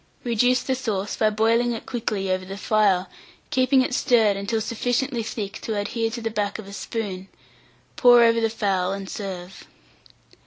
Reduce the sauce by boiling it quickly over the fire, keeping it stirred until sufficiently thick to adhere to the back of a spoon; pour over the fowl, and serve.